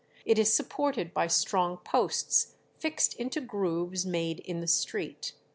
it is supported by strong posts fixed into grooves made in the street